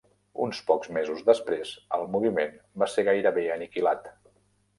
Uns pocs mesos després, el moviment va ser gairebé aniquilat.